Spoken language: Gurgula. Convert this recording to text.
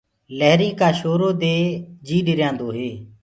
لهرينٚ ڪآ شورو دي جي ڏريآندو هي۔